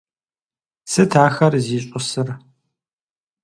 Сыт ахэр зищӀысыр?